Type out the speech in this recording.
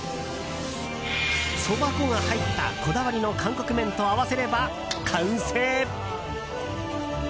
そば粉が入った、こだわりの韓国麺と合わせれば完成。